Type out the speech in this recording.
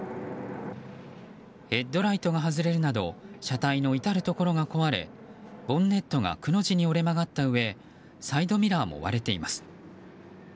ヘッドロックが外れるなど車体の至るところが壊れボンネットがくの字に折れ曲がったうえサイドミラーも割れています。